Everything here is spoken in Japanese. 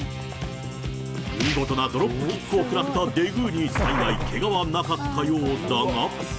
見事なドロップキックを食らったデグーに幸いけがはなかったようだが。